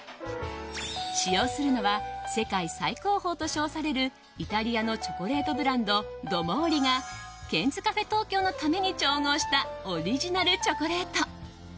使用するのは世界最高峰と称されるイタリアのチョコレートブランドドモーリがケンズカフェ東京のために調合したオリジナルチョコレート。